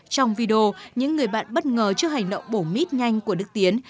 trong video những người bạn bất ngờ trước hành động bổ mít nhanh của đức tiến